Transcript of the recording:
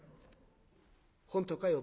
「本当かい？